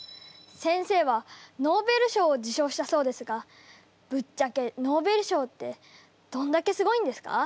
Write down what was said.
先生はノーベル賞を受賞したそうですがぶっちゃけノーベル賞ってどんだけすごいんですか？